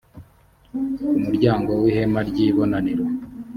ku muryango w’ihema ry’ibonaniro